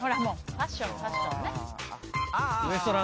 ファッションファッション。